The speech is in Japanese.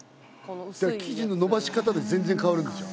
生地ののばし方で全然変わるんでしょ。